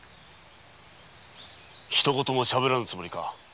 ひと言もしゃべらぬつもりか？